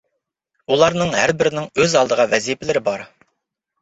ئۇلارنىڭ ھەربىرىنىڭ ئۆز ئالدىغا ۋەزىپىلىرى بار.